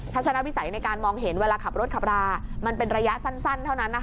ทัศนวิสัยในการมองเห็นเวลาขับรถขับรามันเป็นระยะสั้นเท่านั้น